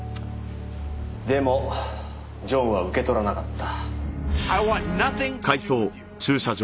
でもジョンは受け取らなかった。